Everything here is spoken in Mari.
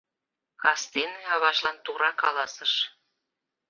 Кастене аважлан тура каласыш: